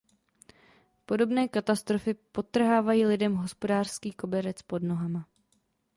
Podobné katastrofy podtrhávají lidem hospodářský koberec pod nohama.